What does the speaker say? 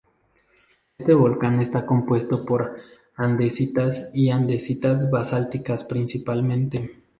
Este volcán está compuesto por andesitas y andesitas basálticas principalmente.